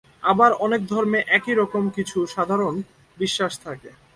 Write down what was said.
আবার অনেক ধর্মে একই রকম কিছু সাধারণ বিশ্বাস থাকে।